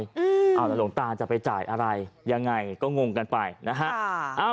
อืมเอาละหลวงตาจะไปจ่ายอะไรยังไงก็งงกันไปนะฮะค่ะอ่า